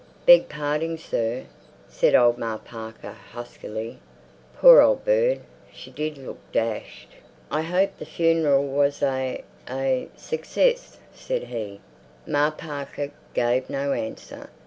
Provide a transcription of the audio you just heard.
"Beg parding, sir?" said old Ma Parker huskily. Poor old bird! She did look dashed. "I hope the funeral was a—a—success," said he. Ma Parker gave no answer.